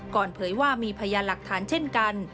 เผยว่ามีพยานหลักฐานเช่นกัน